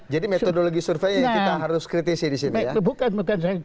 jadi metodologi survei yang kita harus kritisi disini ya